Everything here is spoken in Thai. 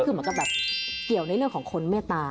คือเหมือนกับแบบเกี่ยวในเรื่องของคนเมตตา